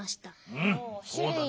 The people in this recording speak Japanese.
うんそうだね。